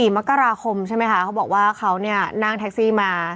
มกราคมใช่ไหมคะเขาบอกว่าเขาเนี่ยนั่งแท็กซี่มา